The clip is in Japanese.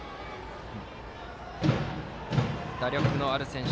打力のある選手。